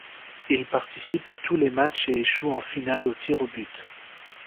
Il participe à tous les matchs et échoue en finale aux tirs-au-but.